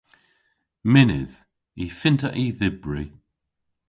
Mynnydh. Y fynn'ta y dhybri.